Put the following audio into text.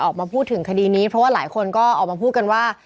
ออกมาพูดถึงคดีนี้เพราะว่าหลายคนก็ออกมาพูดกันว่า